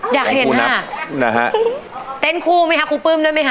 อยากเห็นฮะของครูนับนะฮะเต้นครูมั้ยฮะครูปลื้มด้วยมั้ยฮะ